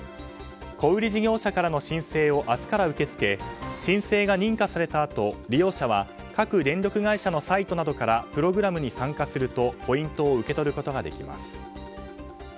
小売り事業者からの申請を明日から受け付け申請が認可されたあと利用者は各電力会社のサイトなどからプログラムに参加するとポイントを受け取ることができます。